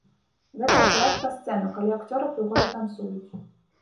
Гэта акурат пра сцэну, калі акцёры прыгожа танцуюць.